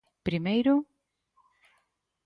Primeiro: